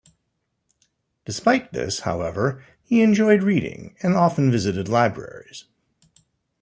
Despite this, however, he enjoyed reading, and often visited libraries.